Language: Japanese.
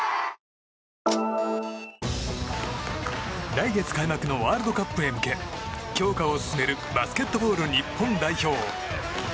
来月開幕のワールドカップへ向け強化を進めるバスケットボール日本代表。